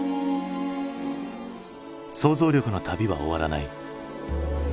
想像力の旅は終わらない。